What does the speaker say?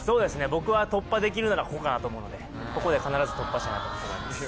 僕は突破できるならここかなと思うのでここで必ず突破しないとと思います